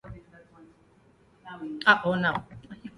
It is also found around Christmas Island in the Indian Ocean.